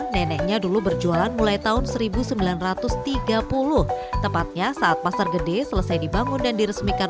neneknya dulu berjualan mulai tahun seribu sembilan ratus tiga puluh tepatnya saat pasar gede selesai dibangun dan diresmikan